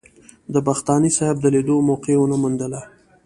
د بختاني صاحب د لیدو موقع ونه موندله.